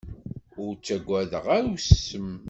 Ur ttagadeɣ ara usem.